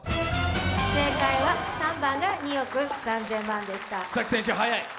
正解は３番が２億３０００万でした。